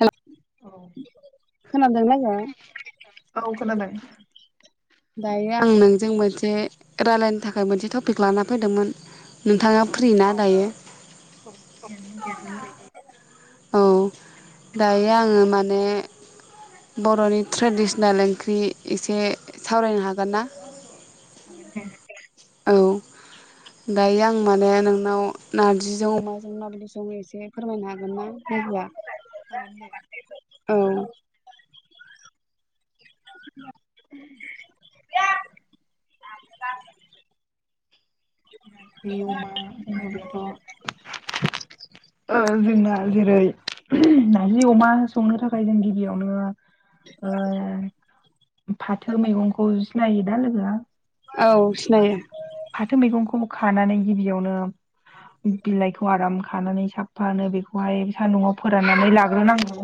हेल औ खोनादों आङो औ खोनादों। । दायो आं नोंजों मोनसे रालायनो थाखाय मोनसे टपिक लाना फैदोंमोन । नोंथाङा औ फ्रि ना दायो थिगानो दंथ'यो दायो। [unintelligible] औ दायो आङो माने बर'नि ट्रेडिसनेल ओंख्रि इसे सावरायनो हागोन ना? हागोन दे औ। दायो आं माने नोंनाव नार्जिजों अमाजों एसे फोरमायनो हागोन उम ना लोगोआ? हागोन दे। औ। [inaudible] [unintelligible] नारजि अमा होनोब्लाथ' ओ जोंना जेरै नारजि अमा संनो थाखाय जों गिबियावनो ओ फाथो मैगंखौ सिनायो दा लोगोआ? औ सिनायो । फाथो मैगंखौ खानानै गिबियावनो बिलाइखौ आराम खानानै साफानो बेखौहाय सान्दुंआव फोराननानै लाग्रोनांगौ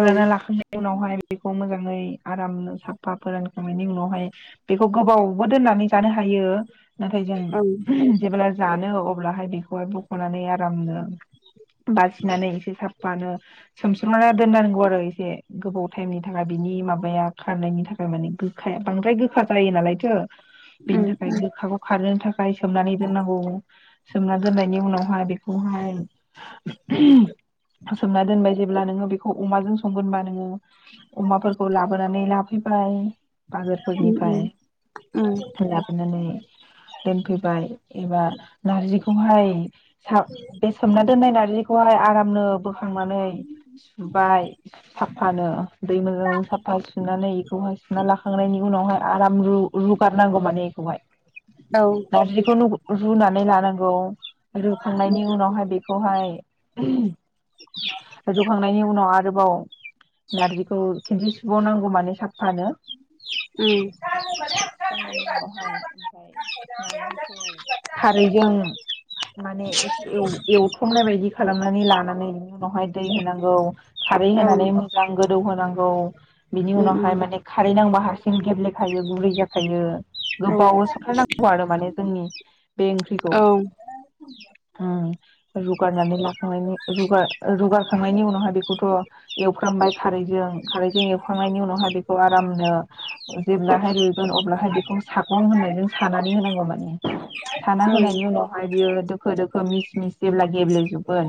औ लाखांनायनि उनावहाय बेखौ मोजाङै आरामनो साबफा फोरानखांनायनि उनावहाय बेखौ गोबाव बो दोननानै जानो हायो नाथाय औ जों जेब्ला जानो अब ब्लाहाय बेखौहाय बख'नानै आरामनो बासिनानै एसे साफानो सोमस्रोमना दोननांगौ आरो से गोबाव टाइमनि थाखाय बिनि माबाया खारनायनि थाखाय माने गोखाया बांद्राय गोखा जायो नालायथो बेनि उम थाखाय गोखाखौ खारहोनो थाखाय सोमनानै दोननांगौ सोमनानै दोननायनि उनावहाय बे खौहाय सोमना दोनबाय जेब्ला नोङो बे खौ अमाजों संगोनबा नोङो अमाफोरखौ लाबोनानै लाफैबाय बाजारफोरनिफ्राय उम उम लाबोनानै दोनफैबाय एबा नारजिखौहाय सा बे सोमना दोननाय नारजिखौहाय आरामनो बोखांनानै सुबाय साफानो दै मोजां साफा सुनानै बेखौहाय सुना लाखांनायनि उनावहाय आराम रु रुगारनांगौ माने एखौहाय उम औ नारजिखौ रुनानै लानांगौ रुखांनायनि उनावहाय बेखौहाय [unintelligible] रुखांनायनि उनाव आरो आरोबाव नारजिखौ खेनथि सुबावनांगौ मानो साफानो उम सुखांनायनि उनावहाय ओमफ्राय नारजिखौ खारैजों माने एसे एव एवथमनाय बायदि खालामनानै लानानै बिनि उनावहाय दै होनांगौ खारै औ होनानै उम मोजां गोदौ होनांगौ बिनि उम उनावहाय माने खारै नांबा हरसिं गेब्लेखायो गुरै जा थायो औ गोबाव [unintelligible] आरो माने जोंनि बे ओंख्रिखौ औ रुगारनानै लाखांनायनि रुगा रुगारखांनायनि उनावहाय बेखौथ' एवफ्रामबाय खारैजों खारैजों एवखांनायनि उनावहाय बेखौ आरामनो जेब्लाहाय गोन अब्लाहाय बेखौ सागं होननायजों सानानै होनांगौ माने साना औ होनायनि उम उनावहाय बियो दोखो दोखो मिस मिस जेब्ला गेब्ले जोबगोन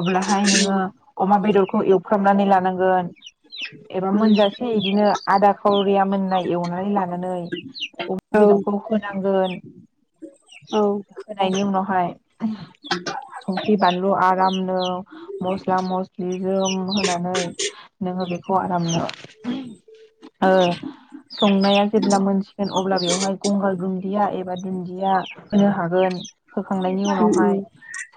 अब्लाहाय नोङो अमा बेदर खौ एवफ्रामनानै लानांगोन एबा उम मोनजासे इदिनो आदा खावरिया मोननाय एवनानै ला नानै औ [unintelligible] बेदरखौ होनांगोन औ होनायनि उनावहाय संख्रि बानलु आरामनो मस्ला मस्लि जोम होनानै नोङो बेखौ आरामनो ओ संनाया जेब्ला मोनसिगोन अब्ला बेवहाय गंगार दुन्दिया एबा दुन्दिया होनो हागोन खांनायनि उम उनावहाय उम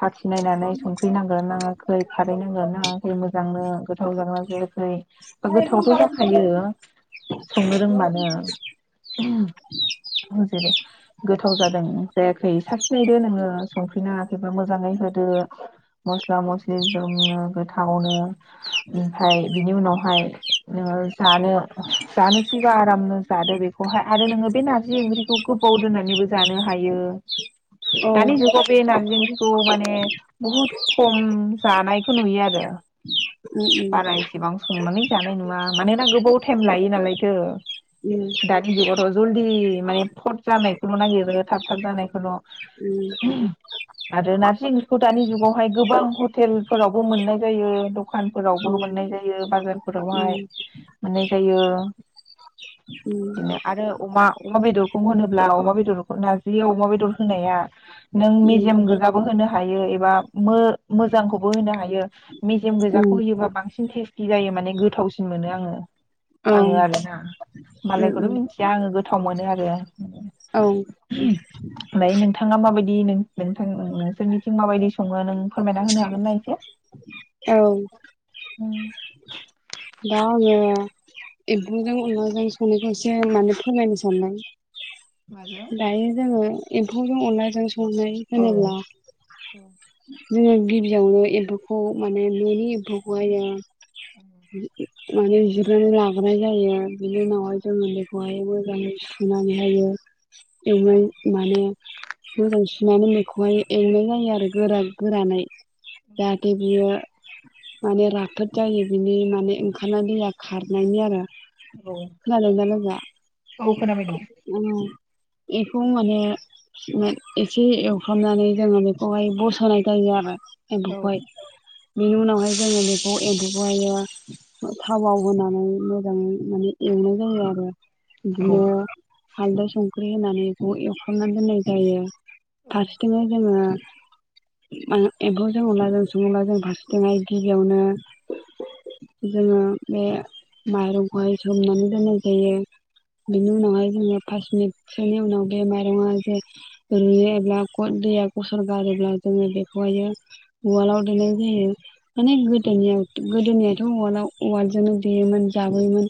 साखि नायनानै संख्रि नांदोंना नाङाखै खारै नांदोंना नाङाखै मोजांनो गोथाव जादोंना जायाखै बा गोथावथ' जाखायो संनो रोंबानो जेरै गोथाव जादों जायाखै साखिनायदो नोङो संख्रिनाङाखैबा मोजाङै होदो मस्ला मस्लि ज्रोमनो गोथावनो ओमफ्राय बिनि उनावहाय नोङो जानो जानोसैबा आरामनो जादो बेखौहाय आरो नोङो बे नारजि ओंख्रिखौ गोबाव दोननानैबो जानो हायो औ दानि उम जुगाव बे नारजि ओंखि खौ माने बुहुद खम जानायखौ नुयो आरो उम बारा एसेबां संनानै जानाय नुङा मानोना गोबाव टाइम लायो नालाय [unintelligible] उम जलदि माने फट जानायखौल' नागिरो थाब थाब जानायखौल' उम [inaudible] आरो नारजि ओंख्रिखौ दानि जुगावहाय गोबां हटेलफोरावबो मोननाय जायो दखानफोरावबो मोननाय जायो बाजार फोरावहाय माने जायो बिदिनो आरो अमा अमा बेदरखौ होनोब्ला अमा बेदरखौ नारजि अमा बेदर होनाया नों उम मेजियाम गोजाबो होनो हायो एबा मो मोजांखौबो होनो हायो मेजेम उम गोजाखौ होयोबा बांसिन टेस्टि जायो माने गोथावसिन मोनो आङो औ आङो उम आरोना मालायखौथ उम मिथियां गोथाव मोनो आरो औ ओमफ्राय नोंथाङा माबायदि नोंथां नोंसोरनिथिं माबायदि सङो नों फोरमायना होनो हागोनना इसे औ उ दा आङो एम्फौजों अनलाजों संनायखौ एसे माने फोरमायनो सानबाय माजों दायो जोङो एम्फौ जों अनलाजों संनाय औ होनोब्ला जोङो गिबियावनो एम्फौखौ माने न'नि एम्फौखौहायो माने जिरनानै लाग्रोनाय जायो बेनि उनावहाय जोङो बेखौहाय मोजाङै सुनानैहायनाय माने मोजां सुनानै बेखौहाय एवनाय जायो आरो गोरा गोरानै जाथे बियो माने राफोद जायो बिनि माने ओंखारनाय दैया खारनायनि आरो औ खोनादोंना लोगोआ औ खोनाबाय दं बेखौ माने एसे एवफ्रामनानै जोङो बेखौहाय बसोनाय जायो आरो औ एओमफाय बेनु नावहाय जङो बेखौफ एमफो बायो थावाव होनानै मोजाङै माने एवनाय जायो आरो औ बिदिनो हालदै संख्रि होनानै बे एवखांनानै दोननाय जायो फारसेथिंनो जोङो एम्फौ जों अला जों सङोब्ला जों फारसेथिंहाय गिबियावनो जोङो बे माइरंखौहाय सोमनानै दोननाय जायो बिनि उनाव हाय जोङो फास मिनिटसोनि उनाव बे माइरंआ जे रुयोब्ला दैया गसर गारोब्ला जोङो बेखौहायो उवालाव दोननाय जायो। माने गोदायनो आरो गोदोनियाथ' उवालाव उवालजोंनो देयोमोन जाबोयोमोन।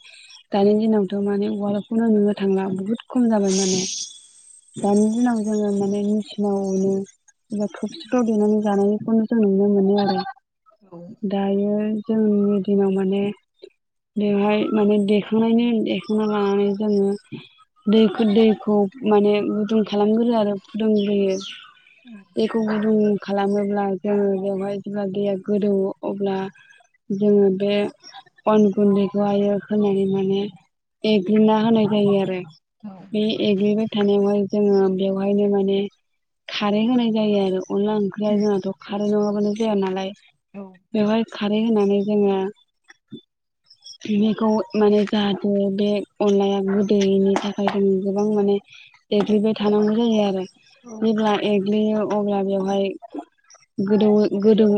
दानि दिनावथ' माने उवालखौनो नुनो थांला बुहुत खम जाबाय माने दानि दिनाव जोङो माने मेसिनावनो एबा थौसिफ्राव देनानै जानाय खौनो जों नुनो मोनो आरो। औ दायो जोंनि दिनाव माने बेवहाय माने देखांनायनि देखांना लानानै जोङो दै दैखौ माने गुदुं खालामग्रो आरो फुदुंग्रोयो जेखौ गुदुं खालामो जेब्ला जोङो बेवहाय जेब्ला दैया गोदो अब्ला जोङो बे अन गुन्दैखौहायो फोनानै माने एग्रिाहोनाय जायो आरो औ बे एग्लिबाय थानायावहाय जोङो बेवहायनो माने खारै होनाय जायो आरो। अनला ओंख्रिआ औ जोंहाथ' खारै नंआबा माने जाया नालाय। औ बेवहाय खा रै होनानै जोङो बेखौ माने जाहाथे बे अनलाया गोदैयैनि थाखाय जों गोबां माने देग्लिबाय थानांगौ जायो आरो। औ बिब्ला ए लैयो अब्ला बेवहाय गोदौ गोदौ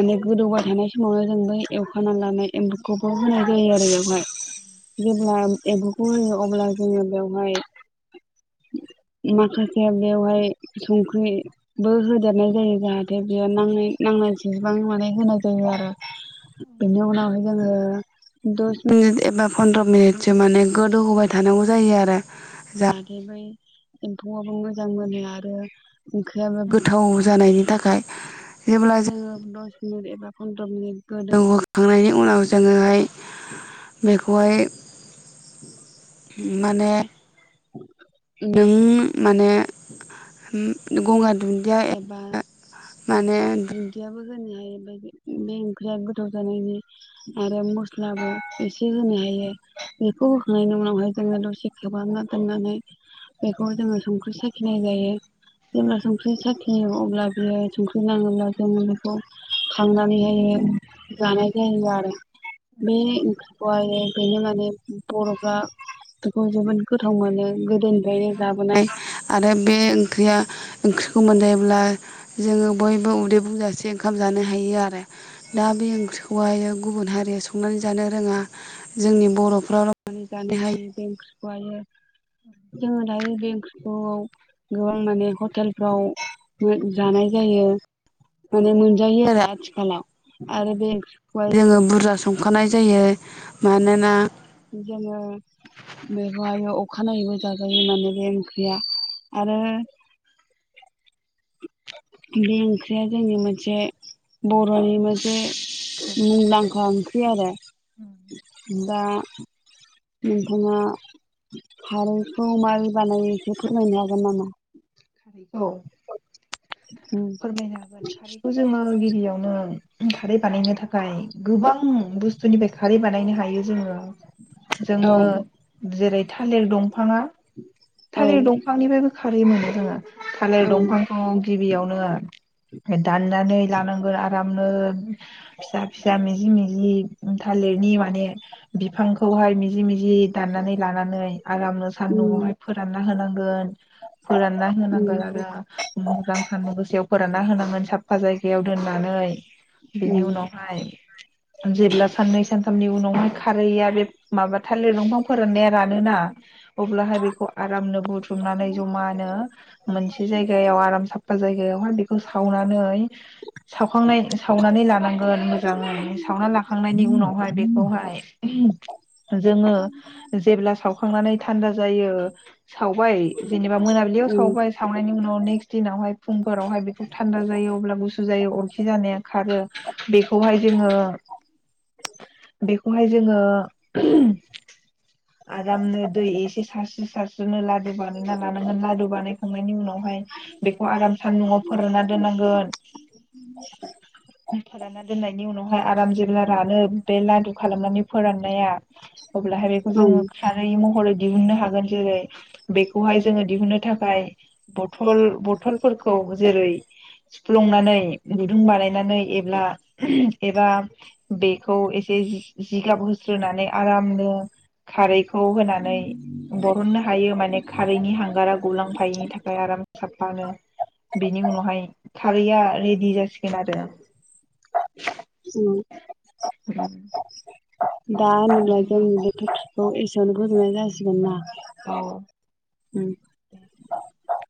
माने गोदौबाय थानाय समावनो जों बै एवखाना लानाय एम्बुखौ होनाय जायो आरो। जेब्ला एम्बु खौ होयो अब्ला जोङो बेवहाय माखासे बेवहाय संख्रिबो होदेरनाय जायो जाहाथे बेयाव नांनाय नांनाय जसेबां माने होनाय जायो आरो। बेनि उनावनो जोङो दस मिनिट एबा फन्द्र मिनिटसो माने गोदौ होबाय थानांगौ जायो आरो। औ जाहाथे बै एफौआवबो मोजां मोनो आरो ओंख्रियाबो गोथाव जानायनि थाखाय औ जेब्ला जोङो मिनिट एबा फन्द्र मिनिट गोदौहोखांनायनि उनाव जोङो ओमफाय बेखौहाय माने नों माने गंगार दुनदिया एबा माने दुनदियाबो होनो हायो बे ओंख्रिया गोथाव जानायनि आरो मस्लाबो एसे होनो हायो। बेखौ होखांनायनि उनावहाय जोङो दसे गोबां ना दाननानै बेखौ जोङो संख्रि साखिनाय जायो जोंना संख्रि साखिनायाव अब्ला बेयो संख्रि नाङोब्ला जोंङ बेखौ खांनानैहाय जानाय जायो आरो बे ओंख्रिखौहाय बेनि उनाव बे बर'फ्रा खौ जोबोद गोथाव मोनो गोदोनिफ्रायनो जाबोनाय आरो बे ओंख्रिया ओंख्रिखौ मोनजायोब्ला जोङो बयबो उदै बुंजासे ओंखाम जानो हायो आरो दा बे ओंख्रिखौहाय गुबुन हारिया स संनानै जानो रोङा जोंनि बर'फ्रावल जानो हायो बे ओंख्रिखौहायो जोङो दायो बे ओंख्रि औ गोबां माने हटेलफ्राव मो जानाय जायो माने मोनजायो आरो आथिखालाव आरो बे ओंख्रिखौहाय बुरजा संखानाय जायो मानोना जोङो बेखौहायो अखानायैबो जाजायो माने बे ओंख्रिया आरो बे ओंख्रिया जोंनि मोनसे बरनि मोनसे मुंदांखां बि आरो दा नोंथाङा खारैखौ मारै बानायो एसे फोरमायनो हागोन नामा? खारैखौ फोरमायनो हागोन खारैखौ जोङो गिबियावनो खारै बानायनो थाखाय गोबां बुस्थुनिफ्राय खारै बानायनो हायो जोङो। औ जोङो जेरै थालिर दंफाङा औ थालिर दंफांनिफ्रायबो खारै मोनो जोङो थालिर औ दंफांखौ गिबियावनो होन दाननानै लानांगोन आराम नो फिसा फिसा मिजि मिजि थालिरनि माने बिफांखौहाय मिजि मिजि दाननानै लानानै आरामनो उम सान्दुंहाय फोरानना होनांगोन फोरानना उम होनांगोन आरो मोजां सानदुं गोसोआव फोरान ना होनांगोन साफा जायगायाव दोननानै। बेनि उम उनावहाय जेब्ला साननै सानथामनि उनावहाय खारैया बे माबा थालिर दंफां फोराननाया रानोना अब्लाहाय बेखौ आरामनो बुथुमनानै जमानो मोनसे जायगायाव आराम स जायगायावहाय बेखौ सावनानै सावखांनाय सावनानै लानांगोन मोजाङै सावना लाखांनायनि उनावहाय बेखौहाय जोङो जेब्ला सावखांनानै थान्दा जायो। सावबाय जेनेबा मोनाबिलियाव उम सावबाय सावनायनि उनाव न नेक्स् दिनाव हाय फुंफोरावहाय बेखौ थान्दा जायो अब्लाबो गुसु जायो अरखि जानाया खारो बेखौहाय जोङो बेखौहाय जोङो आरामनो दै एसे सारसि सारस्रोनो ला दु बानायना लानांगोन लादु बानायखांनायनि उनावहाय बेखौ आराम सान्दुंआव फोरानना दोननांगोन फोरानना दोननायनि उनाव हायो आराम जेब्ला रानो बे लाद खालामनानै फोराननाया अब्लाहाय उम जोङो खारै महरै दिहुननो हागोन जेरै बेखौहाय जोङो दिहुननो थाखाय बथल बथलफोरखौ जेरै सुफ्लंनानै गुदुं बानायनानै एब्ला एबा बेखौ एसे जि-जिगाब होस्रोनानै आरामनो खारै खौ होनानै बरहननो हायो माने खारैनि हांगारा गुलांफायैनि थाखाय आराम साबफानो बिनि उनावहाय खारैया रेडि जासिगोन आरो। [inaudible] [unintelligible] जोङो खौ एसेयावनो फोजोबनाय जासिगोन ना। औ। औ। [inaudible]